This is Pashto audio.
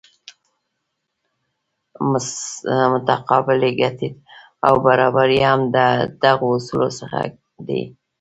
متقابلې ګټې او برابري هم د دغو اصولو څخه دي.